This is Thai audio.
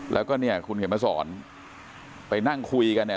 แล้วก็เนี่ยคุณเขียนมาสอนไปนั่งคุยกันเนี่ย